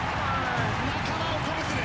仲間を鼓舞する！